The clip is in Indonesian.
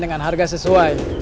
dengan harga sesuai